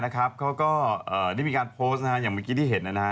ก็ได้มีการโพสต์อย่างที่เจอกัน